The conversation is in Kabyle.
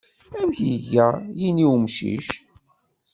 Amek iga yini n umcic-a?